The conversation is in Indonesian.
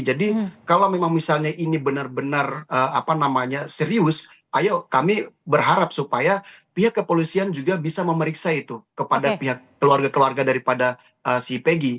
jadi kalau memang misalnya ini benar benar serius ayo kami berharap supaya pihak kepolisian juga bisa memeriksa itu kepada pihak keluarga keluarga daripada si peggy